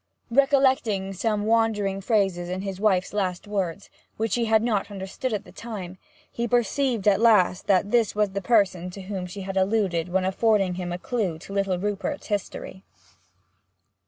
Recollecting some wandering phrases in his wife's last words, which he had not understood at the time, he perceived at last that this was the person to whom she had alluded when affording him a clue to little Rupert's history.